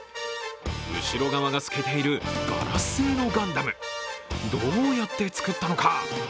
後ろ側が透けているガラス製のガンダム、どうやって作ったのか？